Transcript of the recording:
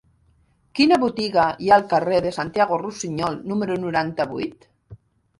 Quina botiga hi ha al carrer de Santiago Rusiñol número noranta-vuit?